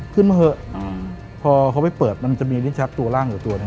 ขึ้นมาเถอะอืมพอเขาไปเปิดมันจะมีลิ้นชักตัวล่างตัวตัวเนี้ย